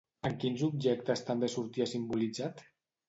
En quins objectes també sortia simbolitzat?